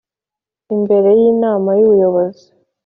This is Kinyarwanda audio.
Imbere y Inama y Ubuyobozi